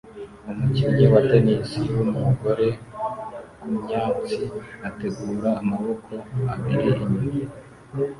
Umukinnyi wa tennis wumugore kumyatsi ategura amaboko abiri inyuma